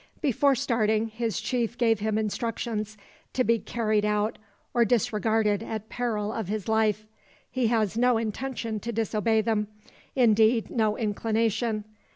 Before starting, his chief gave him instructions, to be carried out or disregarded at peril of his life. He has no intention to disobey them indeed, no inclination.